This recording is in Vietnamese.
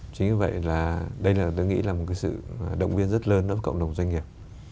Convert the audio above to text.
chính vì vậy là đây là tôi nghĩ là một cái sự động viên rất lớn ở cộng đồng doanh nghiệp